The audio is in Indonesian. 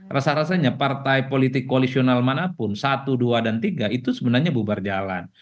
rasa rasanya partai politik koalisional manapun satu dua dan tiga itu sebenarnya bubar jalan